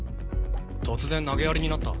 突然投げやりになった。